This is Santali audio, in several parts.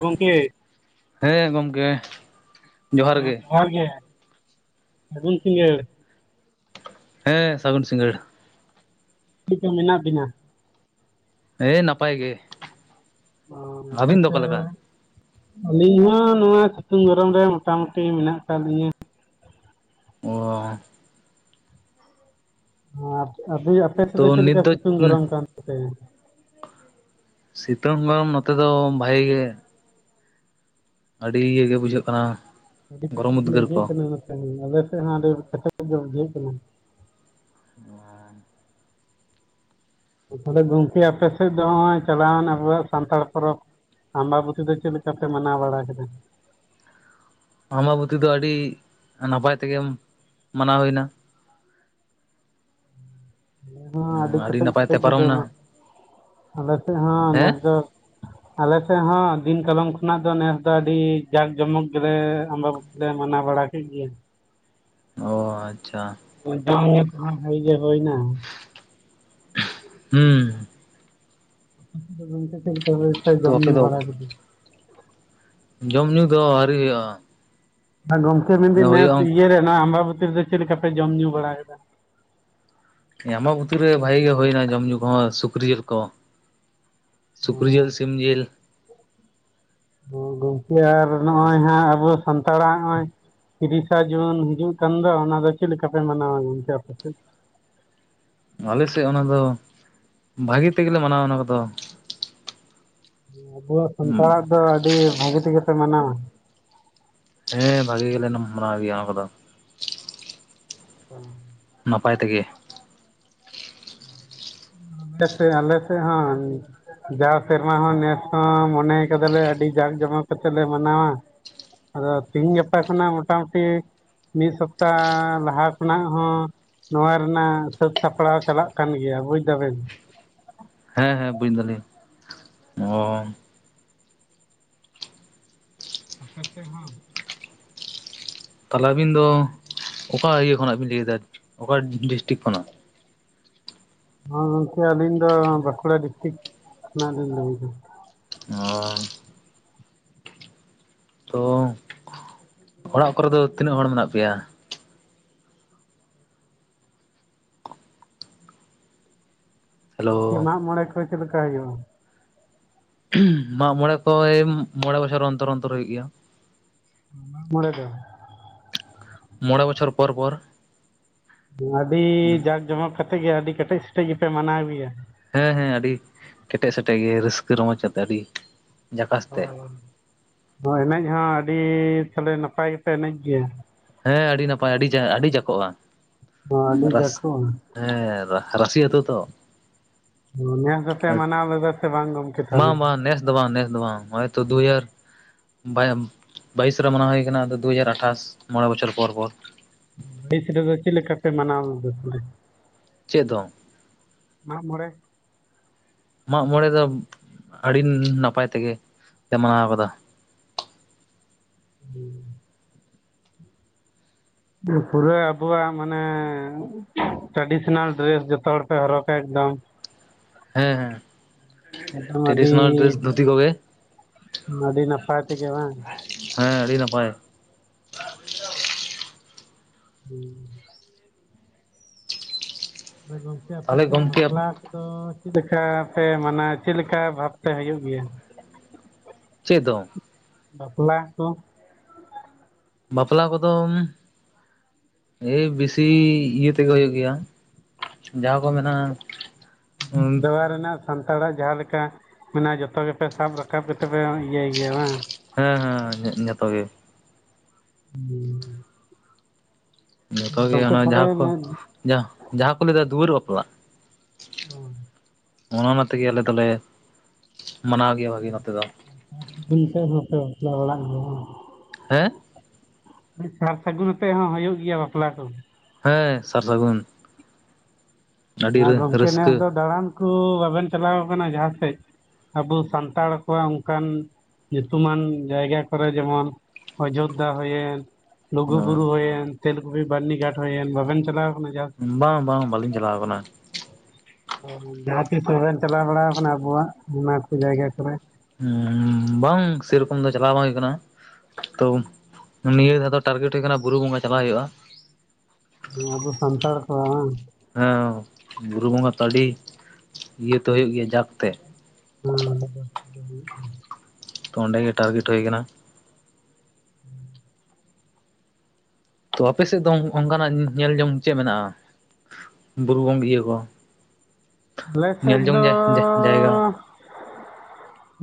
ᱜᱚᱝᱠᱮ ᱦᱮᱸ ᱜᱚᱝᱠᱮ ᱾ ᱦᱮᱸ ᱡᱚᱦᱟᱨ ᱜᱮ ᱥᱟᱹᱜᱩᱱ ᱥᱤᱸᱜᱟᱹᱲ᱾ ᱦᱮᱸ ᱥᱟᱹᱜᱩᱱ ᱥᱤᱸᱜᱟᱹᱲ᱾ [unintelligible] ᱢᱮᱱᱟᱜ ᱵᱤᱱᱟ? ᱦᱮᱸ ᱱᱟᱯᱟᱭ ᱜᱮ᱾ ᱟᱹᱵᱤᱱ ᱫᱚ ᱚᱠᱟ ᱞᱮᱠᱟ [inaudible] ᱟᱹᱞᱤᱧ ᱢᱟ ᱱᱚᱣᱟ ᱥᱤᱛᱩᱝ ᱜᱚᱨᱚᱢ ᱨᱮ ᱢᱚᱴᱟᱢᱩᱴᱤ ᱢᱮᱱᱟᱜ ᱠᱟᱜ ᱞᱤᱧᱟᱹ᱾ ᱚ᱾ [inaudible] ᱟᱯᱮ ᱥᱮᱫ ᱫᱚ ᱛᱚ ᱪᱮᱫ ᱱᱤᱛ ᱞᱮᱠᱟ ᱥᱤᱛᱩᱝ ᱜᱚᱨᱚᱢ ᱠᱟᱱ ᱛᱟᱯᱮᱭᱟ ᱾ ᱥᱤᱛᱩᱝ ᱫᱚ ᱱᱚᱛᱮ ᱫᱚ ᱵᱷᱟᱜᱤ ᱜᱮ ᱟᱹᱰᱤ ᱤᱭᱟᱹ ᱜᱮ ᱵᱩᱡᱷᱟᱹᱜ ᱠᱟᱱᱟ ᱜᱚᱨᱚᱢ ᱩᱫᱽᱜᱟᱹᱨ ᱠᱚ᱾ [unintelligible] ᱟᱞᱮᱥᱮᱫ ᱦᱚ [inaudible] ᱵᱩᱡᱷᱟᱹᱣ ᱠᱟᱱᱟ᱾ [inaudible] ᱛᱟᱦᱚᱞᱮ ᱜᱚᱝᱠᱮ ᱟᱯᱮ ᱥᱮᱫ ᱫᱚ ᱦᱚᱸᱜᱼᱚᱭ ᱪᱟᱞᱟᱣᱮᱱ ᱟᱵᱚᱣᱟᱜ ᱥᱟᱱᱛᱟᱲ ᱯᱚᱨᱚᱵᱽ᱾ ᱟᱢᱵᱟᱵᱩ ᱛᱤ ᱫᱚ ᱪᱮᱫ ᱞᱮᱠᱟ ᱯᱮ ᱢᱟᱱᱟᱣ ᱵᱟᱲᱟ ᱠᱮᱫᱟ? ᱟᱵᱟᱵᱩᱛᱤ ᱫᱚ ᱟᱹᱰᱤ ᱱᱟᱯᱟᱭ ᱛᱮᱜᱮ ᱢᱟᱱᱟᱣ ᱦᱩᱭ ᱮᱱᱟ᱾ ᱟᱞᱮ ᱦᱚᱸ ᱟᱹᱰᱤ ᱠᱮᱴᱮᱡ ᱱᱟᱯᱟᱭ ᱠᱮᱴᱮᱡ ᱛᱮ ᱯᱟᱨᱚᱢ ᱮᱱᱟ [unintelligible] ᱟᱞᱮ ᱥᱮᱫ ᱦᱚᱸ ᱦᱮᱸ ᱱᱮᱥ ᱫᱚ᱾ ᱟᱞᱮᱥᱮᱫ ᱦᱚᱸ ᱫᱤᱱ ᱠᱟᱞᱚᱢ ᱠᱷᱚᱱᱟᱜ ᱫᱚ ᱱᱮᱥ ᱫᱚ ᱟᱹᱰᱤ ᱡᱟᱠ ᱡᱚᱢᱚᱠ ᱜᱮᱞᱮ ᱟᱢᱵᱟ [unintelligible] ᱞᱮ ᱢᱟᱱᱟᱣ ᱵᱟᱲᱟ ᱠᱮᱫ ᱜᱮᱭᱟ᱾ ᱚ ᱟᱪᱪᱷᱟ᱾ [inaudible] ᱦᱚᱭᱱᱟ ᱦᱩᱸ ᱜᱚᱝᱠᱮ ᱪᱮᱫ ᱞᱮᱠᱟ ᱵᱦᱟᱵᱮ ᱯᱮ ᱛᱚ ᱡᱚᱢ ᱟᱯᱮ ᱧᱩ ᱫᱚ ᱵᱟᱲᱟ ᱠᱮᱫᱟ᱾ ᱡᱚᱢ ᱧᱩ ᱫᱚ ᱟᱹᱣᱨᱤ ᱦᱩᱭᱩᱜᱼᱟ᱾ ᱜᱚᱢᱠᱮ ᱢᱮᱱᱮᱫᱟᱧ ᱱᱮᱥ ᱦᱩᱭᱩᱜᱼᱟ ᱤᱭᱟᱹᱨᱮ ᱱᱚᱣᱟ ᱟᱢᱵᱟᱵᱛᱤ ᱨᱮᱫᱚ ᱪᱮᱫ ᱞᱮᱠᱟ ᱯᱮ ᱡᱚᱢ ᱧᱩ ᱵᱟᱲᱟᱭᱮᱫᱟ᱾ ᱟᱵᱟᱵᱩᱛᱤ ᱨᱮ ᱵᱷᱟᱜᱤ ᱜᱮ ᱦᱩᱭᱱᱟ ᱡᱚᱢ ᱧᱩ ᱠᱚᱦᱚᱸ ᱥᱩᱠᱨᱤ ᱡᱤᱞ ᱠᱚ᱾ ᱥᱩᱠᱨᱤ ᱡᱤᱞ ᱥᱤᱢ ᱡᱤᱞ᱾ ᱜᱚᱝᱠᱮ ᱟᱨ ᱱᱚᱜᱼᱚᱭ ᱦᱟᱸᱜ ᱟᱵᱚ ᱥᱟᱱᱛᱟᱲᱟᱜ ᱱᱚᱜᱼᱚᱭ᱾ ᱛᱤᱨᱤᱥᱟ ᱡᱩᱱ ᱦᱤᱡᱩᱜ ᱠᱟᱱ ᱫᱚ ᱚᱱᱟ ᱫᱚ ᱪᱮᱫ ᱞᱮᱠᱟᱯᱮ ᱢᱟᱱᱟᱣᱟ ᱜᱚᱝᱠᱮ ᱟᱯᱮ ᱥᱮᱫ ᱾ ᱟᱞᱮ ᱥᱮᱫ ᱚᱱᱟ ᱫᱚ ᱵᱷᱟᱹᱜᱤ ᱛᱮᱜᱮᱞᱮ ᱢᱟᱱᱟᱣᱟ ᱚᱱᱟ ᱠᱚᱫᱚ ᱟᱵᱚᱣᱟᱜ ᱥᱟᱱᱛᱟᱲᱟᱜ ᱫᱚ ᱟᱹᱰᱤ ᱵᱷᱟᱹᱜᱤ ᱛᱮᱜᱮ ᱯᱮ ᱢᱟᱱᱟᱣᱟ᱾ ᱦᱮᱸ ᱵᱷᱟᱜᱤ ᱜᱮᱞᱮ ᱢᱟᱱᱟᱣ ᱜᱮᱭᱟ ᱚᱱᱟ ᱠᱚᱫᱚ᱾ [unintelligible] ᱱᱟᱯᱟᱭ ᱛᱮᱜᱮ᱾ [inaudible] ᱟᱞᱮ ᱥᱮ ᱦᱚ ᱡᱟᱣ ᱥᱮᱨᱢᱟ ᱦᱚᱸ ᱱᱮᱥ ᱦᱚᱸ ᱢᱚᱱᱮ ᱠᱟᱫᱟᱞᱮ ᱟᱹᱰᱤ ᱡᱟᱸᱠ ᱡᱚᱢᱚᱠ ᱠᱟᱛᱮ ᱞᱮ ᱢᱟᱱᱟᱣᱟ ᱟᱫᱚ ᱛᱤᱦᱤᱧ ᱜᱟᱯᱟ ᱠᱷᱚᱱᱟᱜ ᱢᱚᱴᱟᱢᱩᱴᱤ ᱢᱤᱫ ᱥᱚᱯᱛᱟ ᱞᱟᱦᱟ ᱠᱷᱚᱱᱟᱜ ᱦᱚᱸ ᱱᱚᱣᱟ ᱨᱮᱱᱟᱜ ᱥᱟᱹᱛ ᱥᱟᱯᱲᱟᱣ ᱪᱟᱞᱟᱜ ᱠᱟᱱ ᱜᱮᱭᱟ ᱵᱩᱡ ᱫᱟ ᱵᱮᱱ ᱦᱮᱸ ᱦᱮᱸ ᱵᱩᱡ ᱫᱟᱞᱤᱧ ᱚ ᱟᱯᱮ ᱥᱮᱫ ᱦᱚ ᱛᱟᱦᱚᱞᱮ ᱟᱹᱵᱤᱱ ᱫᱚ ᱚᱠᱟ ᱤᱭᱟᱹ ᱠᱷᱚᱱᱟᱜ ᱵᱤᱱ ᱞᱟᱹᱭ ᱮᱫᱟ ᱚᱠᱟ ᱰᱤᱥᱴᱤᱠ ᱠᱷᱚᱱᱟᱜ ᱦᱚᱸ ᱜᱚᱝᱠᱮ ᱟᱹᱞᱤᱧ ᱫᱚ ᱵᱟᱹᱠᱩᱲᱟ ᱰᱤᱥᱴᱤᱠ ᱠᱷᱚᱱᱟᱜ ᱞᱤᱧ ᱞᱟᱹᱭᱮᱫᱟ ᱚ ᱛᱚ ᱚᱲᱟᱜ ᱠᱚᱨᱮ ᱫᱚ ᱛᱤᱱᱟᱹᱜ ᱦᱚᱲ ᱢᱮᱱᱟᱜ ᱯᱮᱭᱟ ᱦᱮᱞᱳ ᱢᱟᱜ ᱢᱚᱬᱮ ᱠᱚ ᱪᱮᱫ ᱞᱮᱠᱟ ᱦᱩᱭᱩᱜᱼᱟ ᱢᱟᱜ ᱢᱚᱬᱮ ᱠᱚ ᱳᱭ ᱢᱚᱬᱮ ᱵᱚᱪᱷᱚᱨ ᱚᱱᱛᱚᱨ ᱚᱱᱛᱚᱨ ᱦᱩᱭᱩᱜ ᱜᱮᱭᱟ ᱢᱟᱜ ᱢᱚᱬᱮ ᱫᱚ ᱢᱚᱬᱮ ᱵᱚᱪᱷᱚᱨ ᱯᱚᱨ ᱯᱚᱨ ᱟᱹᱰᱤ ᱡᱟᱠ ᱡᱚᱢᱚᱠ ᱠᱟᱛᱮᱜ ᱜᱮ ᱟᱹᱰᱤ ᱠᱮᱴᱮᱡ ᱥᱮᱴᱮᱡ ᱜᱮᱯᱮ ᱢᱟᱱᱟᱣ ᱜᱮᱭᱟ ᱦᱮᱸ ᱦᱮᱸ ᱟᱹᱰᱤ ᱠᱮᱴᱮᱡ ᱥᱮᱴᱮᱡ ᱜᱮ ᱨᱟᱹᱥᱠᱟᱹ ᱨᱚᱢᱚᱡ ᱟᱛᱮ ᱟᱹᱰᱤ ᱡᱟᱠᱟᱥ ᱛᱮ [unintelligible] ᱮᱱᱮᱡ ᱦᱚᱸ ᱟᱹᱰᱤ ᱛᱟᱦᱚᱞᱮ ᱱᱟᱯᱟᱭ ᱜᱮᱯᱮ ᱮᱱᱮᱡ ᱜᱮᱭᱟ ᱦᱮᱸ ᱟᱹᱰᱤ ᱱᱟᱯᱟᱭ ᱟᱹᱰᱤ ᱟᱹᱰᱤ ᱡᱟᱠᱚᱜᱼᱟ ᱚ ᱟᱹᱰᱤ ᱨᱟᱥ ᱡᱟᱠᱷᱚᱜᱼᱟ ᱦᱮᱸ ᱨᱟ ᱨᱟᱥᱤ ᱟᱹᱛᱩ ᱛᱚ ᱱᱮᱥ ᱫᱚᱯᱮ ᱢᱟᱱᱟᱣ ᱞᱮᱫᱟ ᱥᱮ ᱵᱟᱝ ᱜᱚᱢᱠᱮ ᱛᱟᱦᱚᱞᱮ ᱵᱟᱝ ᱵᱟᱝ ᱱᱮᱥ ᱫᱚ ᱵᱟᱝ ᱱᱮᱥ ᱫᱚ ᱵᱟᱝ ᱱᱚᱜ ᱚᱭ ᱛᱚ ᱫᱩ ᱦᱟᱡᱟᱨ ᱵᱟ ᱵᱟᱭᱤᱥ ᱨᱮ ᱢᱟᱱᱟᱣ ᱦᱩᱭ ᱠᱟᱱᱟ ᱟᱫᱚ ᱫᱩ ᱦᱟᱡᱟᱨ ᱟᱴᱷᱟᱥ ᱢᱚᱬᱮ ᱵᱚᱪᱷᱚᱨ ᱯᱚᱨ ᱯᱚᱨ ᱵᱟᱹᱭᱤᱥ ᱨᱮ ᱫᱚ ᱪᱮᱫ ᱞᱮᱠᱟᱯᱮ ᱢᱟᱱᱟᱣ [inaudible] ᱪᱮᱫ ᱫᱚᱝ ᱢᱟᱜ ᱢᱚᱬᱮ ᱢᱟᱜᱼᱢᱚᱬᱮ ᱫᱚ ᱟᱹᱰᱤ ᱱᱟᱯᱟᱭ ᱛᱮᱜᱮ ᱞᱮ ᱢᱟᱱᱟᱣ ᱠᱟᱫᱟ ᱦᱮᱸ ᱯᱩᱨᱟᱹ ᱟᱵᱚᱣᱟᱜ ᱢᱟᱱᱮ ᱴᱨᱟᱰᱤᱥᱚᱱᱟᱞ ᱰᱨᱮᱥ ᱡᱚᱛᱚ ᱦᱚᱲ ᱯᱮ ᱦᱚᱨᱚᱜᱟ ᱮᱠᱫᱚᱢ ᱦᱮᱸ ᱦᱮᱸ ᱮᱠᱫᱚᱢ ᱟᱹᱰᱤ ᱴᱨᱮᱰᱤᱥᱚᱱᱟᱞ ᱰᱨᱮᱥ ᱫᱷᱩᱛᱤ ᱠᱚᱜᱮ ᱟᱹᱰᱤ ᱱᱟᱯᱟᱭ ᱛᱮᱜᱮ ᱵᱟᱝ ᱦᱮᱸ ᱟᱹᱰᱤ ᱱᱟᱯᱟᱭ ᱦᱩᱸ ᱜᱚᱝᱠᱮ ᱛᱟᱦᱚᱞᱮ ᱟᱞᱮᱥᱮᱫ ᱜᱚᱢᱠᱮ ᱵᱟᱯᱞᱟ ᱟᱫᱚ ᱪᱮᱫ ᱞᱮᱠᱟ ᱯᱮ ᱢᱟᱱᱟ ᱪᱮᱫ ᱞᱮᱠᱟ ᱵᱷᱟᱵᱽ ᱯᱮ ᱦᱩᱭᱩᱜ ᱜᱮᱭᱟ ᱪᱮᱫ ᱫᱚᱝ ᱵᱟᱯᱞᱟ ᱠᱚ ᱵᱟᱯᱞᱟ ᱠᱚᱫᱚ ᱮᱭ ᱵᱮᱥᱤ ᱤᱭᱟᱹ ᱛᱮᱜᱮ ᱦᱩᱭᱩᱜ ᱜᱮᱭᱟ ᱡᱟᱦᱟᱸ ᱠᱚ ᱢᱮᱱᱟ ᱩᱸ ᱚᱠᱟ ᱨᱮᱱᱟᱜ ᱥᱟᱱᱛᱟᱲᱟᱜ ᱡᱟᱦᱟᱸ ᱞᱮᱠᱟ ᱢᱮᱱᱟᱜᱼᱟ ᱡᱚᱛᱚ ᱜᱮᱯᱮ ᱥᱟᱵ ᱨᱟᱠᱟᱵ ᱠᱟᱛᱮ ᱯᱮ ᱤᱭᱟᱹᱭ ᱜᱮᱭᱟ ᱵᱟᱝ ᱦᱮᱸ ᱦᱮᱸ ᱡᱚᱛᱚ ᱜᱮ ᱦᱩᱸ ᱡᱚᱛᱚ ᱜᱮ ᱚᱱᱟ ᱡᱟᱦᱟᱸ ᱠᱚ ᱡᱟᱦᱟᱸ ᱠᱚ ᱞᱟᱹᱭᱮᱫᱟ ᱫᱩᱣᱟᱹᱨ ᱵᱟᱯᱞᱟᱜ [inaudible] ᱚᱱᱮ ᱚᱱᱟ ᱛᱮᱜᱮ ᱟᱞᱮ ᱫᱚᱞᱮ ᱢᱟᱱᱟᱣ ᱜᱮᱭᱟ ᱵᱷᱟᱜᱤ ᱱᱚᱛᱮ ᱫᱚ ᱚᱱᱛᱮ ᱦᱚᱸᱯᱮ ᱵᱟᱯᱞᱟ ᱵᱟᱲᱟᱜ ᱜᱮᱭᱟ ᱦᱮᱸ ᱥᱟᱨ ᱥᱟᱹᱜᱩᱱ ᱟᱛᱮᱜ ᱦᱚᱸ ᱦᱩᱭᱩᱜ ᱜᱮᱭᱟ ᱵᱟᱯᱞᱟ ᱠᱚ᱾ ᱦᱮ ᱥᱟᱨ ᱥᱟᱹᱜᱩᱱ ᱟᱹᱰᱤ ᱦᱮᱸ ᱜᱚᱢᱠᱮ ᱱᱮᱥ ᱨᱟᱹᱥᱠᱟᱹ ᱫᱚ ᱫᱟᱬᱟᱱ ᱠᱚ ᱵᱟᱵᱮᱱ ᱪᱟᱞᱟᱣ ᱟᱠᱟᱱᱟ ᱡᱟᱦᱟᱸ ᱥᱮᱫ᱾ ᱟᱵᱚ ᱥᱟᱱᱛᱟᱲ ᱠᱚᱣᱟᱜ ᱚᱱᱠᱟᱱ ᱧᱩᱛᱩᱢᱟᱱ ᱡᱟᱭᱜᱟ ᱠᱚᱨᱮ ᱡᱮᱢᱚᱱ ᱚᱡᱳᱫᱽᱫᱷᱟ ᱦᱩᱭᱮᱱ ᱞᱩᱜᱩᱵᱩᱨᱩ ᱦᱩᱭᱮᱱ ᱛᱮᱞᱠᱩᱯᱤ ᱵᱟᱹᱨᱱᱤ ᱜᱷᱟᱴ ᱦᱩᱭᱮᱱ ᱵᱟᱵᱮᱱ ᱪᱟᱞᱟᱣ ᱟᱠᱟᱱᱟ ᱡᱟᱦᱟᱸ ᱵᱟᱝ ᱵᱟᱝ ᱵᱟᱹᱞᱤᱧ ᱪᱟᱞᱟᱣ ᱟᱠᱟᱱᱟ ᱡᱟᱦᱟᱸ ᱛᱤᱥ ᱵᱟᱵᱮᱱ ᱪᱟᱞᱟᱣ ᱵᱟᱲᱟ ᱟᱠᱟᱱᱟ ᱟᱵᱚᱣᱟᱜ ᱚᱱᱟ ᱠᱚ ᱡᱟᱭᱜᱟ ᱠᱚᱨᱮ ᱦᱩᱸ ᱵᱟᱝ ᱥᱮᱨᱚᱠᱚᱢ ᱫᱚ ᱪᱟᱞᱟᱣ ᱵᱟᱝ ᱦᱩᱭ ᱟᱠᱟᱱᱟ ᱛᱚ ᱱᱤᱭᱟᱹ ᱫᱷᱟᱣ ᱫᱚ ᱴᱟᱨᱜᱮᱴ ᱦᱩᱭ ᱠᱟᱱᱟ ᱵᱩᱨᱩ ᱵᱚᱸᱜᱟ ᱪᱟᱞᱟᱜ ᱦᱩᱭᱩᱜᱼᱟ᱾ ᱦᱮ ᱟᱵᱚ ᱥᱟᱱᱛᱟᱲ ᱠᱚ ᱵᱟᱝ ᱦᱮᱸ ᱵᱩᱨᱩ ᱵᱚᱸᱜᱟ ᱛᱚ ᱟᱹᱰᱤ ᱤᱭᱟᱹᱛᱮ ᱦᱩᱭᱩᱜ ᱜᱮᱭᱟ ᱡᱟᱠ ᱛᱮ ᱦ ᱛᱚ ᱚᱸᱰᱮ ᱜᱮ ᱴᱟᱨᱜᱮᱴ ᱦᱩᱭ ᱟᱠᱟᱱᱟ ᱦᱩᱸ ᱛᱚ ᱟᱯᱮᱥᱮᱫ ᱫᱚ ᱚᱱᱠᱟᱱᱟᱜ ᱧᱮᱞ ᱡᱚᱝ ᱪᱮᱫ ᱢᱮᱱᱟᱜᱼᱟ᱾ ᱵᱩᱨᱩ ᱵᱚᱱ ᱤᱭᱟᱹ ᱠᱚ ᱟᱞᱮ ᱥᱮᱫ ᱧᱮᱞ ᱡᱚᱝ ᱫᱚ ᱡᱟᱭᱜᱟ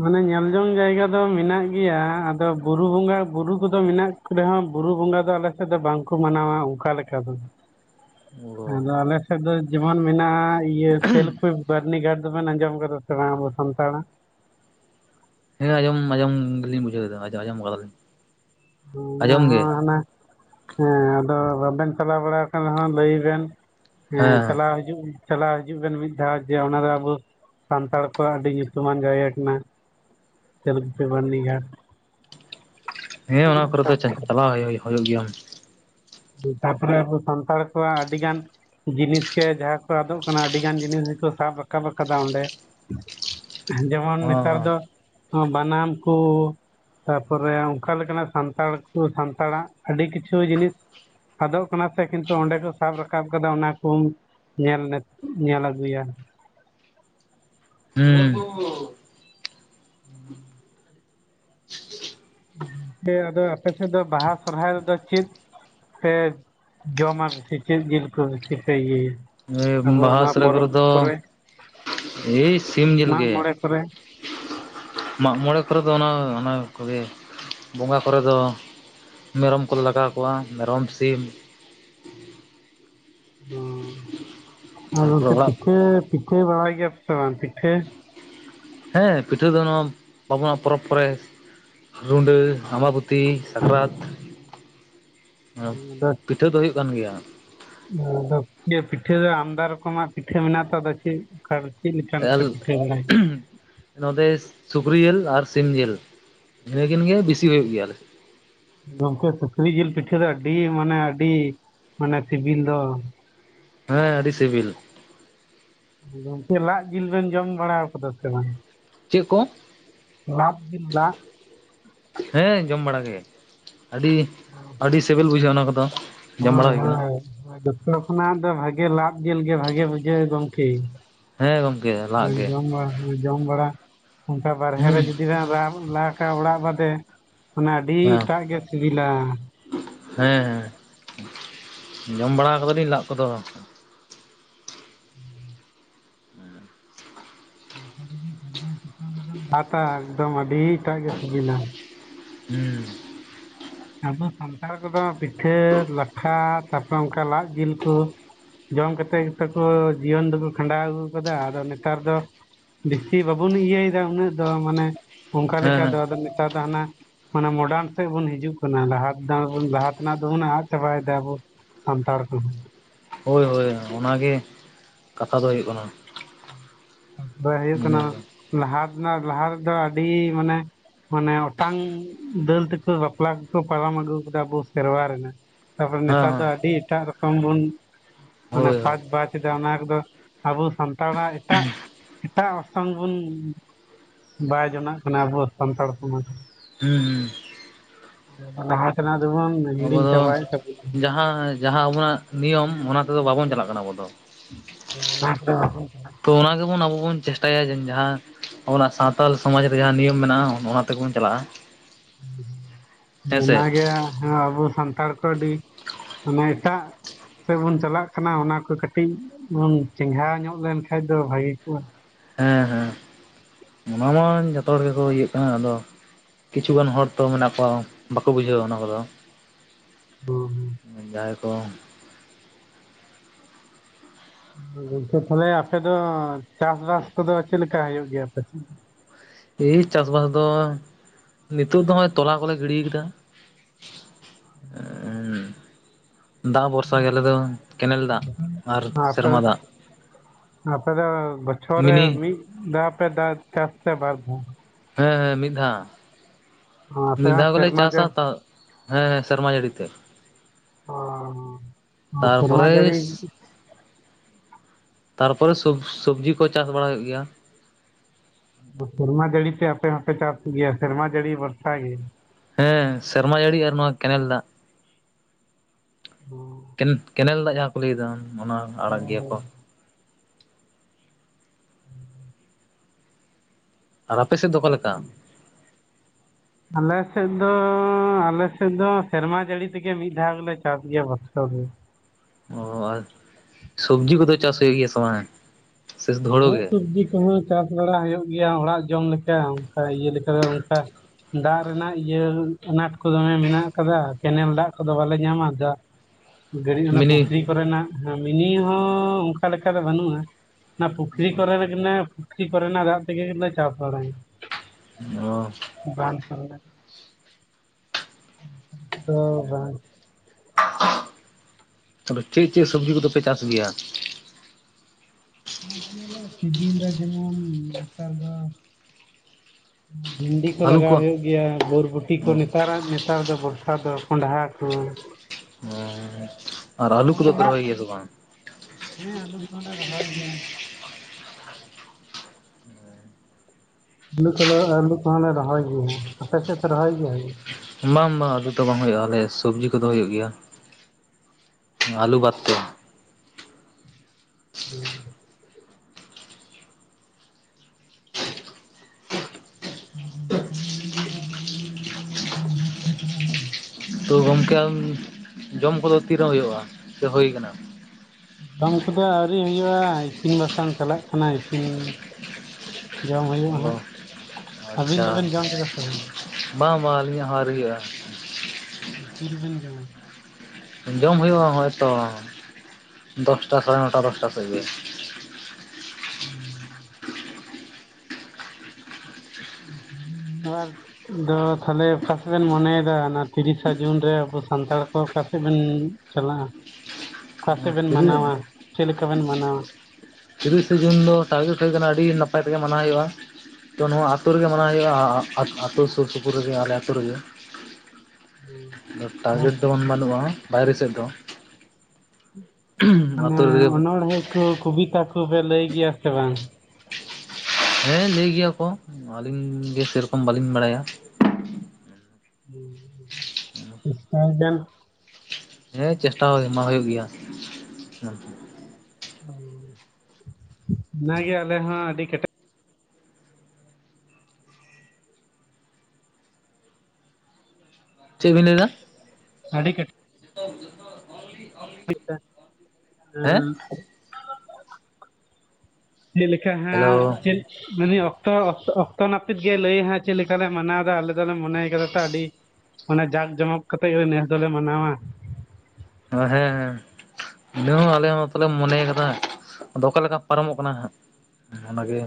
ᱢᱟᱱᱮ ᱧᱮᱞ ᱡᱚᱝ ᱡᱟᱭᱜᱟ ᱫᱚ ᱢᱮᱱᱟᱜ ᱜᱮᱭᱟ ᱟᱫᱚ ᱵᱩᱨᱩ ᱵᱚᱸᱜᱟ ᱵᱩᱨᱩ ᱠᱚᱫᱚ ᱢᱮᱱᱟᱜ ᱜᱮᱭᱟ᱾ ᱨᱮᱦᱚᱸ ᱵᱩᱨᱩ ᱵᱚᱸᱜᱟ ᱫᱚ ᱟᱞᱮᱥᱮᱫ ᱫᱚ ᱵᱟᱝᱠᱚ ᱢᱟᱱᱟᱣᱟ ᱚᱱᱠᱟ ᱞᱮᱠᱟ ᱫᱚ᱾ ᱚ ᱟᱫᱚ ᱟᱞᱮ ᱥᱮᱫ ᱫᱚ ᱡᱮᱢᱚᱱ ᱢᱮᱱᱟᱜᱼᱟ ᱤᱭᱟᱹ ᱛᱮᱞᱠᱩ ᱵᱟᱨᱱᱤᱜᱷᱟᱴ ᱫᱚᱵᱮᱱ ᱟᱸᱡᱚᱢ ᱟᱠᱟᱫᱟ ᱥᱮ ᱵᱟᱝ ᱟᱵᱚ ᱥᱟᱱᱛᱟᱲᱟᱜ᱾ ᱦᱮᱸ ᱟᱸᱡᱚᱢ ᱟᱸᱡᱚᱢ ᱜᱮᱞᱤᱧ ᱵᱩᱡᱷᱟᱹᱣ ᱫᱟ ᱟᱸᱡᱚ ᱟᱸᱡᱚᱢ ᱟᱠᱟ ᱫᱟᱞᱤᱧ ᱚᱱᱟ ᱦᱚᱸ ᱦᱟᱱᱟ ᱦᱮᱸ ᱟᱫᱚ ᱵᱟᱵᱮᱱ ᱪᱟᱞᱟᱣ ᱵᱟᱲᱟ ᱟᱠᱟᱱ ᱨᱮᱦᱚᱸ ᱞᱟᱹᱭ ᱵᱮᱱ ᱦᱮᱸ ᱪᱟᱞᱟᱣ ᱦᱤᱡᱩᱜ ᱢᱮ᱾ ᱪᱟᱞᱟᱣ ᱦᱤᱡᱩᱜ ᱵᱮᱱ ᱢᱤᱫ ᱫᱷᱟᱣ ᱡᱮ ᱚᱱᱟ ᱨᱮ ᱟᱵᱚ ᱥᱟᱱᱛᱟᱲ ᱠᱚᱣᱟᱜ ᱟᱹᱰᱤ ᱧᱩᱛᱩᱢᱟᱱ ᱡᱟᱭᱜᱟ ᱠᱟᱱᱟ᱾ ᱛᱮᱞᱠᱩᱯᱤ ᱵᱟᱨᱱᱤ ᱜᱷᱟᱴ ᱦᱮᱸ ᱚᱱᱟ ᱠᱚᱨᱮ ᱫᱚ ᱪᱟᱞᱟᱣ ᱦᱩᱭᱩᱜ ᱜᱮᱭᱟ᱾ ᱛᱟ ᱯᱚᱨᱮ ᱟᱵᱚ ᱥᱟᱱᱛᱟᱲ ᱠᱚᱣᱟᱜ ᱟᱹᱰᱤ ᱜᱟᱱ ᱡᱤᱱᱤᱥ ᱜᱮ ᱡᱟᱦᱟᱸ ᱠᱚ ᱟᱫᱚᱜ ᱠᱟᱱᱟ ᱟᱹᱰᱤ ᱜᱟᱱ ᱡᱤᱱᱤᱥ ᱜᱮᱠᱚ ᱥᱟᱵ ᱨᱟᱠᱟᱵ ᱟᱠᱟᱫᱟ ᱚᱸᱰᱮ ᱡᱮᱢᱚᱱ ᱱᱮᱛᱟᱨ ᱫᱚ ᱵᱟᱱᱟᱢ ᱠᱚ ᱛᱟ ᱯᱚᱨᱮ ᱚᱱᱠᱟ ᱞᱮᱠᱟᱱᱟᱜ ᱥᱟᱱᱛᱟᱲ ᱠᱚ ᱥᱟᱱᱛᱟᱲᱟᱜ ᱟᱹᱰᱤ ᱠᱤᱪᱷᱩ ᱡᱤᱱᱤᱥ ᱟᱫᱚᱜ ᱠᱟᱱᱟ ᱥᱮ ᱠᱤᱱᱛᱩ ᱚᱸᱰᱮ ᱠᱚ ᱥᱟᱵ ᱨᱟᱠᱟᱵ ᱟᱠᱟᱫᱟ ᱚᱱᱟ ᱠᱚᱢ ᱧᱮᱞ ᱧᱮᱞ ᱟᱹᱜᱩᱭᱟ ᱦᱩᱸ [unintelligible] ᱜᱚᱝᱠᱮ ᱟᱫᱚ ᱟᱯᱮ ᱥᱮᱫ ᱫᱚ ᱵᱟᱦᱟ ᱥᱚᱨᱦᱟᱭ ᱨᱮᱫᱚ ᱪᱮᱫ ᱯᱮ ᱡᱚᱢᱟ ᱵᱮᱥᱤ ᱪᱮᱫ ᱡᱤᱞ ᱠᱚ ᱵᱮᱥᱤ ᱯᱮ ᱤᱭᱟᱹᱭᱟ᱾ ᱮᱸ ᱟᱵᱚ ᱵᱟᱦᱟ ᱱᱚᱣᱟ ᱥᱚᱨᱦᱟᱭ ᱯᱚᱨᱚᱵᱽ ᱠᱚᱨᱮ ᱫᱚ ᱮᱭ ᱥᱤᱢ ᱡᱤᱞ ᱢᱟᱜ ᱜᱮ᱾ ᱢᱚᱬᱮ ᱠᱚᱨᱮ ᱢᱟᱜ ᱢᱚᱬᱮ ᱠᱚᱨᱮ ᱫᱚ ᱚᱱᱟ ᱚᱱᱟ ᱠᱚᱜᱮ ᱵᱚᱸᱜᱟ ᱠᱚᱨᱮ ᱫᱚ᱾ ᱢᱮᱨᱚᱢ ᱠᱚᱞᱮ ᱞᱟᱜᱟᱣ ᱠᱚᱣᱟ ᱢᱮᱨᱚᱢ ᱥᱤᱢ ᱦᱚᱸ ᱛᱟᱨᱯᱚᱨᱮ ᱜᱚᱢᱠᱮ ᱚᱲᱟᱜ ᱯᱤᱴᱷᱟᱹ ᱯᱤᱴᱷᱟᱹ ᱵᱟᱲᱟᱭ ᱜᱮᱭᱟ ᱯᱮ ᱥᱮ ᱵᱟᱝ ᱯᱤᱴᱷᱟᱹ ᱦᱮᱸ ᱯᱤᱴᱷᱟᱹ ᱫᱚ ᱱᱚᱣᱟ ᱟᱵᱩᱣᱟᱜ ᱯᱚᱨᱚᱵᱽ ᱠᱚᱨᱮ ᱨᱩᱰᱟᱹ ᱟᱢᱵᱟᱵᱚᱛᱤ ᱥᱟᱠᱨᱟᱛ ᱯᱤᱴᱷᱟᱹ ᱫᱚ ᱦᱩᱭᱩᱜ ᱠᱟᱱ ᱜᱮᱭᱟ᱾ ᱜᱚᱝᱠᱮ ᱯᱤᱴᱷᱟᱹ ᱫᱚ ᱟᱢᱫᱟ ᱨᱚᱠᱚᱢᱟᱜ ᱯᱤᱴᱷᱟᱹ ᱢᱮᱱᱟᱜᱼᱟ ᱛᱚ ᱟᱫᱚ ᱪᱮᱫ ᱞᱮᱠᱟᱱ ᱯᱮ ᱮᱞ ᱯᱤᱴᱷᱟᱹ ᱵᱟᱲᱟᱭ ᱜᱮᱭᱟ? [inaudible] ᱱᱚᱸᱰᱮ ᱥᱩᱠᱨᱤ ᱡᱤᱞ ᱟᱨ ᱥᱤᱢ ᱡᱤᱞ ᱤᱱᱟᱹ ᱠᱤᱱ ᱜᱮ ᱵᱤᱥᱤ ᱦᱩᱭᱩᱜ ᱜᱮᱭᱟ᱾ ᱜᱚᱝᱠᱮ ᱥᱩᱠᱨᱤ ᱡᱤᱞ ᱯᱤᱴᱷᱟᱹ ᱫᱚ ᱟᱹᱰᱤ ᱢᱟᱱᱮ ᱟᱹᱰᱤ ᱢᱟᱱᱮ ᱥᱤᱵᱤᱞ ᱫᱚ ᱦᱮᱸ ᱟᱹᱰᱤ ᱥᱤᱵᱤᱞ ᱜᱚᱝᱠᱮ ᱞᱟᱫ ᱡᱤᱞ ᱵᱮᱱ ᱡᱚᱢ ᱵᱟᱲᱟ ᱟᱠᱟᱫᱟ ᱥᱮ ᱵᱟᱝ? ᱪᱮᱫ ᱠᱚ ᱞᱟᱫ ᱡᱤᱞ ᱞᱟᱫ ᱦᱮᱸ ᱡᱚᱢ ᱵᱟᱲᱟ ᱜᱮ ᱟᱹᱰᱤ ᱟᱹᱰᱤ ᱥᱤᱵᱤᱞ ᱵᱩᱡᱷᱟᱹᱜᱼᱟ, ᱚᱱᱟ ᱠᱚᱫᱚ ᱡᱚᱢ ᱦᱳᱭ ᱵᱟᱲᱟ ᱦᱩᱭ ᱦᱳᱭ ᱟᱠᱟᱱᱟ᱾ ᱡᱚᱛᱚ ᱠᱷᱚᱱᱟᱜ ᱫᱚ ᱵᱷᱟᱜᱤ ᱞᱟᱫ ᱡᱤᱞ ᱜᱮ ᱵᱷᱟᱜᱮ ᱵᱩᱡᱷᱟᱹ ᱜᱚᱝᱠᱮ ᱦᱮᱸ ᱜᱚᱢᱠᱮ ᱞᱟᱜ ᱦᱮᱸ ᱜᱮ ᱡᱚᱢ ᱵᱟᱲᱟ ᱠᱚ ᱡᱚᱢ ᱵᱟᱲᱟ ᱚᱱᱠᱟ ᱵᱟᱨᱦᱮ ᱦᱩᱸ ᱨᱮ ᱡᱩᱫᱤ ᱵᱮᱱ ᱨᱟᱜ ᱞᱟᱜᱼᱟ ᱚᱲᱟᱜ ᱵᱟᱫᱮ ᱢᱟᱱᱮ ᱟᱹᱰᱤ ᱦᱮᱸ ᱮᱴᱟᱜ ᱜᱮ ᱥᱤᱵᱤᱞᱟ ᱦᱮᱸ ᱡᱚᱢ ᱵᱟᱲᱟ ᱟᱠᱟᱫᱟᱞᱤᱧ ᱞᱟᱜ ᱠᱚᱫᱚ [inaudible] ᱞᱟᱫ ᱟᱜ ᱟᱹᱰᱤ ᱮᱴᱟᱜ ᱜᱮ ᱥᱤᱵᱤᱞᱟ ᱦᱩᱸ ᱟᱵᱚ ᱥᱟᱱᱛᱟᱲ ᱠᱚᱫᱚ ᱯᱤᱴᱷᱟᱹ ᱞᱟᱴᱷᱟ ᱛᱟᱨ ᱯᱚᱨᱮ ᱚᱱᱠᱟ ᱞᱟᱫ ᱡᱤᱞ ᱠᱚ ᱡᱚᱢ ᱠᱟᱛᱮ ᱜᱮᱛᱚ ᱠᱚ ᱡᱤᱭᱚᱱ ᱫᱚᱠᱚ ᱠᱷᱟᱸᱰᱟᱣ ᱟᱹᱜᱩ ᱟᱠᱟᱫᱟ ᱟᱫᱚ ᱱᱮᱛᱟᱨ ᱫᱚ ᱵᱮᱥᱤ ᱵᱟᱵᱚᱱ ᱤᱭᱟᱹᱭ ᱫᱟ ᱩᱱᱟᱹᱜ ᱫᱚ ᱢᱟᱱᱮ ᱚᱱᱠᱟ ᱦᱮᱸ ᱞᱮᱠᱟ ᱦᱮᱸ ᱫᱚ ᱟᱫᱚ ᱱᱮᱛᱟᱨ ᱫᱚ ᱦᱟᱱᱮ ᱢᱟᱱᱮ ᱢᱚᱰᱟᱱ ᱥᱮᱫ ᱵᱚᱱ ᱦᱤᱡᱩᱜ ᱠᱟᱱᱟ ᱞᱟᱦᱟ ᱞᱟᱦᱟ ᱛᱮᱱᱟᱜ ᱫᱚᱵᱩᱱ ᱟᱫ ᱪᱟᱵᱟᱭ ᱫᱟ ᱟᱵᱚ ᱥᱟᱱᱛᱟᱲ ᱠᱚᱦᱚᱸ ᱦᱳᱭ ᱦᱳᱭ ᱚᱱᱟ ᱜᱮ ᱠᱟᱛᱷᱟ ᱫᱚ ᱦᱩᱭᱩᱜ ᱠᱟᱱᱟ ᱛᱟᱨ ᱯᱚᱨᱮ ᱦᱩᱭᱩᱜ ᱠᱟᱱᱟ ᱤᱱᱟᱹᱜᱮ ᱞᱟᱦᱟ ᱛᱮᱱᱟᱜ ᱞᱟᱦᱟ ᱫᱚ ᱟᱹᱰᱤ ᱢᱟᱱᱮ ᱢᱟᱱᱮ ᱚᱴᱟᱝ ᱫᱟᱹᱞ ᱛᱮᱠᱚ ᱵᱟᱯᱞᱟ ᱠᱚᱠᱴ ᱯᱟᱨᱚᱢ ᱟᱹᱜᱩ ᱟᱠᱟᱫᱟ ᱟᱵᱚ ᱥᱮᱨᱣᱟ ᱨᱮᱱᱟᱜ ᱛᱟᱯᱚᱨ ᱦᱮᱸ ᱱᱮᱛᱟᱨ ᱫᱚ ᱦᱮᱸ ᱟᱹᱰᱤ ᱮᱴᱟᱜ ᱨᱚᱠᱚᱢ ᱵᱩᱱ ᱢᱟᱱᱮ ᱦᱳᱭ ᱦᱳᱭ ᱥᱟᱪᱵᱟᱪ ᱟᱫᱚ ᱚᱱᱟ ᱠᱚᱫᱚ ᱟᱵᱚ ᱥᱟᱱᱛᱟᱲᱟᱜ ᱮᱴᱟᱜ ᱮᱴᱟᱜ ᱵᱩᱱ ᱵᱟᱭ ᱡᱚᱱᱟᱜ ᱠᱟᱱᱟ ᱟᱵᱚ ᱥᱟᱱᱛᱟᱲ ᱥᱚᱢᱟᱡᱽ ᱨᱮ ᱦᱩᱸ ᱦᱩᱸ ᱦᱩᱸ ᱞᱟᱦᱟ ᱛᱮᱱᱟᱜ ᱫᱚᱵᱚᱱ ᱦᱤᱲᱤᱧ ᱪᱟᱵᱟᱭᱮᱫ ᱛᱟᱵᱩᱱᱟ ᱡᱟᱸᱦᱟ ᱡᱟᱸᱦᱟ ᱟᱵᱚᱱᱟᱜ ᱱᱤᱭᱚᱢ ᱚᱱᱟ ᱛᱮᱫᱚ ᱵᱟᱵᱚᱱ ᱪᱟᱞᱟᱜ ᱠᱟᱱᱟ ᱟᱹᱵᱚ ᱫᱚ᱾ ᱠᱟᱱᱟ ᱛᱚ ᱚᱱᱟ ᱜᱮᱵᱚᱱ ᱟᱵᱚ ᱵᱚᱱ ᱪᱮᱥᱴᱟᱭᱟ ᱡᱟᱸᱦᱟ ᱚᱱᱟ ᱥᱟᱸᱣᱛᱟᱞ ᱥᱚᱢᱟᱡᱽ ᱨᱮ ᱡᱟᱦᱟᱸ ᱱᱤᱭᱚᱢ ᱢᱮᱱᱟᱜᱼᱟ ᱚᱱᱟ ᱛᱮ ᱜᱮ ᱵᱚᱱ ᱪᱟᱞᱟᱜᱼᱟ᱾ ᱦᱮᱸᱥᱮ ᱚᱱᱟᱜᱮ ᱦᱮ ᱟᱵᱚ ᱥᱟᱱᱛᱟᱲ ᱠᱚ ᱢᱟᱱᱮ ᱮᱴᱟᱜ ᱥᱮᱫ ᱵᱚᱱ ᱪᱟᱞᱟᱜ ᱠᱟᱱᱟ ᱚᱱᱟ ᱠᱚ ᱠᱟᱹᱴᱤᱡ ᱵᱚᱱ ᱪᱮᱸᱜᱷᱟᱣ ᱧᱚᱜ ᱞᱮᱱ ᱠᱷᱟᱱ ᱫᱚ ᱵᱷᱟᱞᱤ ᱠᱚᱜᱼᱟ ᱦᱮᱸ ᱦᱮᱸ ᱚᱱᱟ ᱢᱟ ᱡᱚᱛᱚ ᱦᱚᱲ ᱜᱮᱠᱚ ᱤᱭᱟᱹᱜ ᱠᱟᱱᱟ ᱟᱫᱚ ᱠᱤᱪᱷᱩ ᱜᱟᱱ ᱦᱚᱲ ᱛᱚ ᱢᱮᱱᱟᱜ ᱠᱚᱣᱟ ᱵᱟᱠᱚ ᱵᱩᱡᱷᱟᱹᱣᱟ ᱚᱱᱟ ᱠᱚᱫᱚ ᱦᱚᱸ ᱡᱟᱸᱦᱟᱭ ᱠᱚ ᱜᱚᱝᱠᱮ ᱛᱟᱦᱞᱮ ᱟᱯᱮ ᱫᱚ ᱪᱟᱥᱵᱟᱥ ᱠᱚᱫᱚ ᱪᱮᱫᱞᱮᱠᱟ ᱦᱩᱭᱩᱜ ᱜᱮᱭᱟ ᱟᱯᱮᱥᱮᱫ [unintelligible] ᱪᱟᱥᱵᱟᱥ ᱫᱚ ᱱᱤᱛᱚᱜ ᱫᱚ ᱱᱚᱜᱼᱚᱭ ᱛᱚᱞᱟ ᱠᱚᱞᱮ ᱜᱤᱰᱤ ᱠᱟᱫᱟ [unintelligible] ᱫᱟᱜ ᱵᱷᱚᱨᱥᱟ ᱜᱮ ᱟᱞᱮᱫᱚ ᱠᱮᱱᱮᱞ ᱫᱟᱜ ᱟᱨ ᱟᱯᱮ ᱥᱮᱨᱢᱟ ᱫᱟᱜ ᱟᱯᱮ ᱫᱚ ᱵᱚᱪᱷᱚᱨ ᱨᱮ ᱢᱤᱱᱤ ᱢᱤᱫ ᱫᱷᱟᱣ ᱯᱮ ᱫ ᱪᱟᱥ ᱥᱮ ᱵᱟᱨ ᱫᱷᱟᱣ ᱦᱮᱸ ᱦᱮᱸ ᱢᱤᱫ ᱫᱷᱟᱣ ᱟᱯᱮ ᱢᱤᱫ ᱦᱚᱸ ᱫᱷᱟᱣ ᱜᱮᱞᱮ ᱥᱮᱨᱢᱟ ᱪᱟᱥᱟ ᱡᱟᱹ ᱛᱚ ᱦᱮᱸ ᱦᱮᱸ ᱥᱮᱨᱢᱟ ᱡᱟᱹᱲᱤ ᱛᱮ ᱚ ᱥᱮᱨᱢᱟ ᱛᱟᱨᱯᱚᱨᱮ ᱡᱟᱹᱲᱤ ᱛᱟᱨᱯᱚᱨ ᱥᱚᱵ ᱥᱚᱵᱽᱡᱤ ᱠᱚ ᱪᱟᱥ ᱵᱟᱲᱟ ᱦᱩᱭᱩᱜ ᱜᱮᱭᱟ᱾ ᱥᱮᱨᱢᱟ ᱡᱟᱹᱲᱤ ᱛᱮ ᱟᱯᱮ ᱦᱚᱸᱯᱮ ᱪᱟᱥ ᱜᱮᱭᱟ ᱥᱮᱨᱢᱟ ᱡᱟᱹᱲᱤ ᱵᱷᱚᱨᱥᱟ ᱜᱮ᱾ ᱦᱮᱸ ᱥᱮᱨᱢᱟ ᱡᱟᱹᱲᱤ ᱟᱨ ᱱᱚᱣᱟ ᱠᱮᱱᱮᱞ ᱫᱟᱜ ᱚ ᱠᱮᱱᱮᱞ ᱫᱟᱜ ᱡᱟᱸᱦᱟ ᱠᱚ ᱞᱟᱹᱭ ᱫᱟ ᱚᱱᱟ ᱟᱲᱟᱠ ᱦᱚᱸ ᱜᱮᱭᱟ ᱠᱚ᱾ ᱦᱚᱸ [inaudible] ᱟᱨ ᱟᱯᱮ ᱥᱮᱫ ᱫᱚ ᱚᱠᱟ ᱞᱮᱠᱟ? ᱟᱞᱮᱥᱮᱫ ᱫᱚ ᱟᱞᱮᱥᱮᱫ ᱫᱚ ᱥᱮᱨᱢᱟ ᱡᱟᱹᱲᱤ ᱛᱮᱜᱮ ᱢᱤᱫ ᱫᱷᱟᱣ ᱜᱮᱞᱮ ᱪᱟᱥ ᱜᱮᱭᱟ ᱵᱚᱪᱷᱚᱨ ᱨᱮ ᱚ ᱟᱨ ᱥᱚᱵᱡᱤ ᱠᱚᱫᱚ ᱪᱟᱥ ᱦᱳᱭᱳᱜ ᱜᱮᱭᱟ ᱥᱮ ᱵᱟᱝ ᱥᱮ ᱦᱳᱲᱳ ᱦᱮᱸ ᱜᱮ ᱥᱚᱵᱡᱤ ᱠᱚᱦᱚᱸ ᱪᱟᱥ ᱵᱟᱲᱟ ᱦᱳᱭᱳᱜ ᱜᱮᱭᱟ ᱚᱲᱟᱜ ᱡᱚᱢ ᱞᱮᱠᱟ ᱚᱱᱠᱟ ᱤᱭᱟᱹ ᱞᱮᱠᱟ ᱫᱚ ᱚᱱᱠᱟ ᱫᱟᱜ ᱨᱮᱱᱟᱜ ᱤᱭᱟᱹ ᱟᱱᱟᱴ ᱠᱚ ᱫᱚᱢᱮ ᱢᱮᱱᱟᱜ ᱟᱠᱟᱫᱟ ᱠᱮᱱᱮᱞ ᱫᱟᱜ ᱠᱚᱫᱚ ᱵᱟᱞᱮ ᱧᱟᱢᱼᱟ ᱜᱟᱹᱲᱤᱡ ᱚᱱᱟ ᱢᱤᱱᱤ ᱯᱩᱠᱷᱨᱤ ᱠᱚᱨᱮᱱᱟᱜ ᱢᱤᱱᱤ ᱦᱚᱸ ᱚᱱᱠᱟ ᱞᱮᱠᱟ ᱫᱚ ᱵᱟᱹᱱᱩᱜᱼᱟ᱾ ᱯᱩᱠᱷᱨᱤ ᱠᱚᱨᱮ ᱱᱟᱜ ᱯᱩᱠᱷᱨᱤ ᱠᱚᱨᱮᱱᱟᱜ ᱫᱟᱜ ᱛᱮᱜᱮ ᱞᱮ ᱪᱟᱥ ᱵᱟᱲᱟᱭᱟ ᱚ ᱵᱟᱸᱫᱽ ᱠᱚᱨᱮ ᱛᱚᱜᱚᱝ ᱛᱚᱵᱮ ᱪᱮᱫ ᱪᱮᱫ ᱥᱚᱵᱡᱤ ᱠᱚᱫᱚ ᱯᱮ ᱪᱟᱥ ᱜᱮᱭᱟ ᱪᱟᱥ ᱜᱮᱭᱟ ᱞᱮ ᱥᱤᱡᱤᱱ ᱨᱮ ᱡᱮᱢᱚᱱ ᱱᱮᱛᱟᱨ ᱫᱚ ᱵᱷᱤᱱᱰᱤ ᱠᱚ ᱞᱟᱜᱣ ᱦᱳᱭᱳᱜ ᱜᱮᱭᱟ ᱵᱚᱨᱵᱚᱴᱤ ᱠᱚ ᱚ ᱱᱮᱛᱟᱨᱟᱜ ᱱᱮᱛᱟᱨ ᱫᱚ ᱵᱚᱨᱥᱟ ᱫᱚ ᱠᱚᱸᱰᱷᱟ ᱠᱚ ᱦᱮᱸ ᱟᱨ ᱟᱹᱞᱩ ᱡᱮᱢᱚᱱ ᱠᱚᱫᱚ ᱯᱮ ᱚᱲᱟᱜ ᱨᱚᱦᱚᱭ ᱜᱮᱭᱟ ᱥᱮ ᱵᱟᱝ ᱦᱮᱸ ᱟ. ᱞᱩ ᱠᱚᱦᱚ ᱞᱮ ᱨᱚᱦᱚᱭ ᱜᱮᱭᱟ ᱟᱞᱩ ᱟᱞᱩ ᱠᱚᱦᱚ ᱞᱮ ᱨᱚᱦᱚᱭ ᱜᱮᱭᱟ ᱟᱯᱮᱥᱮᱫ ᱯᱮ ᱨᱚᱦᱚᱭ ᱜᱮᱭᱟ ᱵᱟᱝ ᱵᱟᱝ ᱟᱞᱩ ᱫᱚ ᱵᱟᱝ ᱦᱳᱭᱳᱜ-ᱟ ᱟᱞᱮ ᱥᱚᱵᱡᱤ ᱠᱚᱫᱚ ᱦᱳᱭᱳᱜ ᱜᱮᱭᱟ ᱟᱞᱩ ᱵᱟᱛ ᱛᱮ ᱦᱩᱸ ᱜᱚᱢᱠᱮ ᱛᱟᱦᱚᱞᱮ ᱱᱤᱭᱟᱹᱵᱟᱨ ᱫᱚ ᱚᱱᱛᱮ ᱪᱟᱞᱟᱜ ᱦᱳᱭᱳᱜ-ᱟ᱾ ᱛᱚ ᱜᱚᱢᱠᱮ ᱟᱢ ᱡᱚᱢ ᱠᱚᱫᱚ ᱛᱤᱨᱮ ᱦᱳᱭᱳᱜᱼᱟ ᱥᱮ ᱦᱳᱭ ᱟᱠᱟᱱᱟ ᱫᱚᱢ ᱠᱚᱫᱚ ᱟᱹᱣᱨᱤ ᱦᱩᱭᱩᱜᱼᱟ ᱤᱥᱤᱱ ᱵᱟᱥᱟᱝ ᱪᱟᱞᱟᱜ ᱠᱟᱱᱟ ᱤᱥᱤᱱ ᱡᱚᱢ ᱦᱩᱭᱩᱜᱼᱟ ᱚ ᱦᱟᱸᱜ ᱟᱹᱵᱤᱱ ᱟᱪᱪᱷᱟ ᱫᱚᱵᱮᱱ ᱡᱚᱢ ᱠᱮᱫᱟ ᱥᱮ ᱵᱟᱝ ᱵᱟᱝ ᱵᱟᱝ ᱟᱹᱞᱤᱧᱟᱜ ᱦᱚᱸ ᱟᱣᱨᱤ ᱦᱩᱭᱩᱜ-ᱟ ᱛᱤ ᱨᱮᱵᱮᱱ ᱡᱚᱢᱟ ᱡᱚᱢ ᱦᱩᱭᱩᱜᱼᱟ ᱦᱚᱜ-ᱚᱭ ᱛᱚ ᱫᱚᱥᱴᱟ ᱥᱟᱲᱮ ᱱᱚᱴᱟ ᱫᱚᱥᱴᱟ ᱥᱮᱫ ᱜᱮ ᱩᱸ [unintelligible] ᱟᱫᱚ ᱛᱷᱟᱞᱮ ᱚᱠᱟᱥᱮᱫ ᱮᱱ ᱢᱚᱱᱮᱭᱮᱫᱟ ᱚᱱᱟ ᱛᱤᱨᱤᱥᱟ ᱡᱩᱱ ᱨᱮ ᱟᱵᱚ ᱥᱟᱱᱛᱟᱲ ᱠᱚ ᱚᱠᱟᱥᱮᱫ ᱵᱤᱱ ᱪᱟᱞᱟᱜᱼᱟ ᱚᱠᱟ ᱥᱮᱜ ᱵᱤᱱ ᱛᱤᱨᱤᱥ ᱢᱟᱱᱟᱣᱟ ᱪᱮᱜ ᱞᱮᱠᱟᱵᱮᱱ ᱢᱟᱱᱟᱣᱟ ᱛᱤᱨᱤᱥᱮ ᱡᱩᱱ ᱫᱚ ᱴᱟᱨᱜᱮᱴ ᱦᱩᱭ ᱠᱟᱱᱟ ᱟᱹᱰᱤ ᱱᱟᱯᱟᱭ ᱛᱮᱜᱮ ᱢᱟᱱᱟᱣ ᱦᱩᱭᱩᱜᱼᱟ ᱛᱚ ᱱᱚᱣᱟ ᱟᱹᱛᱳ ᱨᱮᱜᱮ ᱢᱟᱱᱟ ᱦᱩᱭᱩᱜᱼᱟ [inaudible] ᱟᱹᱛᱩ ᱥᱩᱨ ᱥᱩᱯᱩᱨ ᱨᱮᱜᱮ ᱟᱞᱮ ᱟᱹᱛᱩ ᱨᱮᱜᱮ ᱴᱟᱨᱜᱮᱴ ᱫᱚ ᱵᱚᱱ ᱵᱟᱹᱱᱩᱜᱼᱟ ᱵᱟᱭᱨᱮ ᱥᱮᱫ ᱫᱚ ᱢᱟᱱᱮ ᱟᱛᱳ ᱨᱮᱜᱮ ᱚᱱᱚᱲᱦᱮᱸ ᱠᱚ ᱠᱚᱵᱤᱛᱟ ᱠᱚ ᱯᱮ ᱞᱟᱹᱭ ᱜᱮᱭᱟ ᱥᱮ ᱵᱟᱝ ᱦᱮᱸ ᱞᱟᱹᱭ ᱜᱮᱭᱟ ᱠᱚ ᱟᱹᱞᱤᱧ ᱜᱮ ᱥᱮᱨᱚᱠᱚᱢ ᱵᱟᱹᱞᱤᱧ ᱵᱟᱲᱟᱭᱟ ᱪᱮᱥᱴᱟᱭ ᱵᱮᱱ ᱦᱮᱸ ᱪᱮᱥᱴᱟ [inaudible] ᱦᱩᱭᱩᱜ ᱜᱮᱭᱟ ᱦᱮᱸ ᱱᱟᱭᱜᱮ ᱟᱞᱮ ᱦᱚᱸ ᱟᱹᱰᱤ ᱠᱮᱴᱮ ᱪᱮᱜ ᱵᱤᱱ ᱞᱟᱹᱭ ᱫᱟ ᱟᱹᱰᱤ ᱠᱮᱴ [inaudible] [inaudible] ᱦᱮᱸ ᱡᱮᱞᱮᱠᱟ ᱦᱮᱞᱳ ᱦᱟᱸᱜ [inaudible] ᱢᱮᱱᱧ ᱚᱠᱛᱚ [inaudible] ᱚᱠᱛᱚ ᱱᱟᱹᱯᱤᱛ ᱜᱮ ᱞᱟᱹᱭ ᱦᱟᱜ ᱪᱮᱫ ᱞᱮᱠᱟᱞᱮ ᱢᱟᱱᱟᱣᱫᱟ ᱟᱞᱮ ᱫᱚᱞᱮ ᱢᱚᱱᱮᱭ ᱠᱟᱫᱟ ᱛᱚ ᱟᱹᱰᱤ ᱢᱟᱱᱮ ᱡᱟᱠ ᱡᱚᱢᱚᱠ ᱠᱟᱛᱮ ᱜᱮ ᱱᱮᱥ ᱫᱚᱞᱮ ᱢᱟᱱᱟᱣᱟ ᱚ ᱦᱮᱸ ᱦᱮᱸ ᱤᱱᱟ ᱦᱚᱸ ᱟᱞᱮ ᱦᱚᱸᱛᱚᱞᱮ ᱢᱚᱱᱮ ᱠᱟᱫᱟ ᱦᱟᱸᱜ ᱟᱫᱚ ᱚᱠᱟ ᱞᱮᱠᱟ ᱯᱟᱨᱚᱢᱚᱜ ᱠᱟᱱᱟ ᱦᱟᱸᱜ ᱚᱱᱟᱜᱮ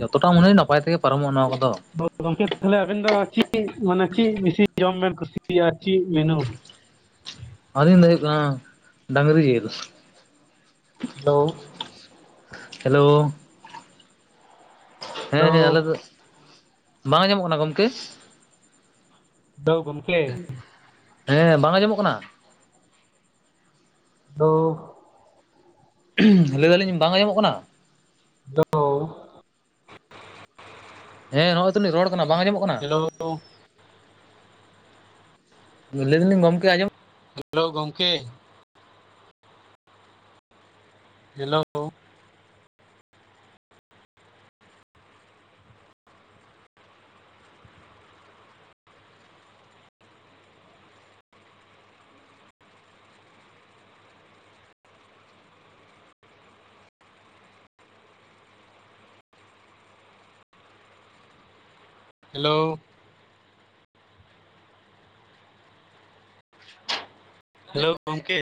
ᱡᱚᱛᱚᱴᱟ ᱢᱚᱱᱮ ᱱᱟᱯᱟᱭ ᱛᱮᱜᱮ ᱯᱟᱨᱚᱢᱚᱜᱼᱟ ᱱᱚᱣᱟ ᱠᱚᱫᱚ ᱜᱚᱝᱠᱮ ᱛᱟᱦᱚᱞᱮ ᱟᱵᱮᱱ ᱫᱚ ᱪᱤᱫ ᱢᱟᱱᱮ ᱪᱤᱫ ᱵᱮᱥᱤ ᱡᱚᱢ ᱵᱮᱱ ᱠᱩᱥᱤᱭᱟᱜᱼᱟ ᱪᱤᱫ ᱢᱮᱱᱩ ᱟᱞᱤᱧ ᱫᱚ ᱦᱳᱭᱳᱜ ᱠᱟᱸ ᱰᱟᱝᱽᱨᱤ ᱡᱮᱞ ᱦᱮᱞᱳ ᱦᱮᱞᱳ ᱦᱮᱸ ᱦᱮᱸ ᱟᱞᱮ ᱦᱮᱞᱳ ᱫᱚ, ᱵᱟᱝ ᱟᱸᱡᱚᱢᱚᱜ ᱠᱟᱱᱟ ᱜᱚᱢᱠᱮ? ᱦᱮᱞᱳ ᱜᱚᱢᱠᱮ [inaudible] ᱦᱮᱸ ᱵᱟᱝ ᱟᱸᱡᱚᱢᱚᱜ ᱠᱟᱱᱟ [unintelligible] [unintelligible] ᱞᱟᱹᱫᱟᱞᱤᱧ ᱵᱟᱝ ᱟᱸᱡᱚᱢᱚᱜ ᱠᱟᱱᱟ [unintelligible] ᱦᱮᱸ ᱦᱚᱸᱜᱼᱚᱭ ᱛᱚᱞᱤᱧ ᱨᱚᱲ ᱠᱟᱱᱟ ᱵᱟᱝ ᱟᱡᱚᱢᱚᱜ ᱦᱮᱞᱳ ᱣ ᱞᱟᱹᱭ ᱫᱟᱞᱤᱧ ᱜᱚᱢᱠᱮ ᱟᱸᱡᱚᱢ ᱦᱮᱞᱳ ᱜᱚᱢᱠᱮ ᱦᱮᱞᱚ ᱦᱮᱞᱳ ᱦᱮᱞᱳ ᱜᱚᱝᱠᱮ